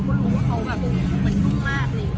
เป็นเรื่องหรอนะโสดมากเลยเลยค่ะ